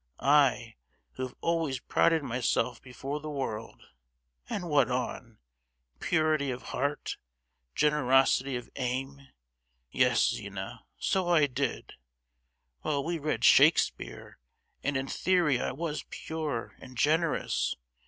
I, who have always prided myself before the world—and what on? Purity of heart, generosity of aim! Yes, Zina, so I did, while we read Shakespeare; and in theory I was pure and generous.